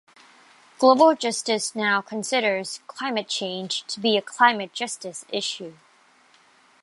Global Justice Now considers climate change to be a climate justice issue.